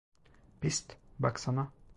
Pist, baksana!